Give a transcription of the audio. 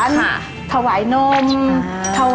การที่บูชาเทพสามองค์มันทำให้ร้านประสบความสำเร็จ